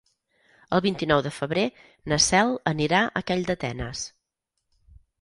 El vint-i-nou de febrer na Cel anirà a Calldetenes.